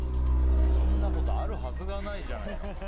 そんなことあるはずがないじゃないですか。